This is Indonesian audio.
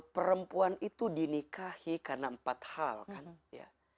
perempuan itu dinikahi karena empat hal kan ya